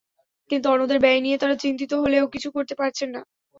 কিন্তু অন্যদের ব্যয় নিয়ে তাঁরা চিন্তিত হলেও কিছু করতে পারছেন না।